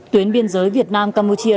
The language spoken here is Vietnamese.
tuyến biên giới việt nam campuchia